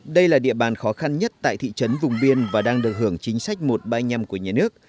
đây là địa bàn khó khăn nhất tại thị trấn vùng biên và đang được hưởng chính sách một trăm ba mươi năm của nhà nước